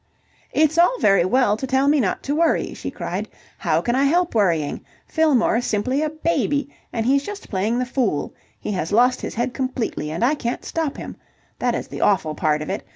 "It's all very well to tell me not to worry," she cried. "How can I help worrying? Fillmore's simply a baby, and he's just playing the fool. He has lost his head completely. And I can't stop him! That is the awful part of it.